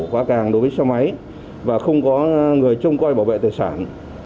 quá càng đối với xe máy và không có người trông coi bảo vệ tài sản